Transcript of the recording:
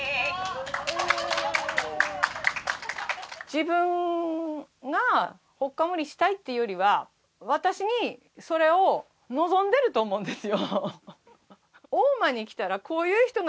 自分がほっかむりしたいっていうよりは私にそれを望んでいると思うんですよ。